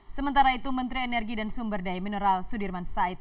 sementara itu menteri energi dan sumber daya mineral sudirman said